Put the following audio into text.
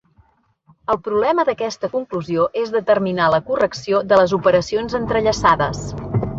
El problema d'aquesta conclusió és determinar la correcció de les operacions entrellaçades.